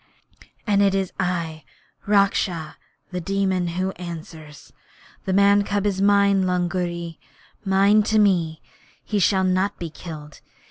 'And it is I, Raksha [The Demon], who answer. The man's cub is mine, Lungri mine to me! He shall not be killed.